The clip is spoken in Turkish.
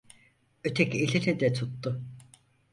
Öteki elini de tuttu.